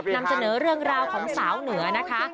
นำเสนอเรื่องราวของสาวเหนือนะคะ